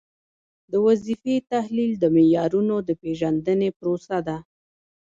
د وظیفې تحلیل د معیارونو د پیژندنې پروسه ده.